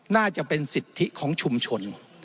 น่าจะเป็นสิทธิของชุมชน